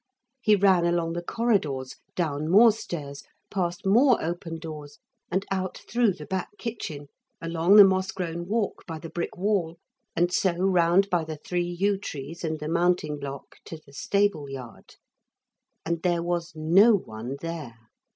He ran along the corridors, down more stairs, past more open doors and out through the back kitchen, along the moss grown walk by the brick wall and so round by the three yew trees and the mounting block to the stable yard. And there was no one there.